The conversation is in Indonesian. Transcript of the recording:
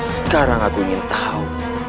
sekarang aku ingin tahu